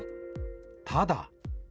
ただ。